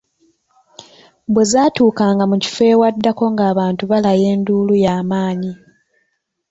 Bwe zaatuukanga mu kifo ewaddako ng'abantu balaya enduulu ya maanyi.